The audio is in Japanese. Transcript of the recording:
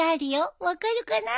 分かるかな？